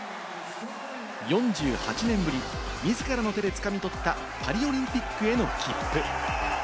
４８年ぶり自らの手でつかみ取ったパリオリンピックへの切符。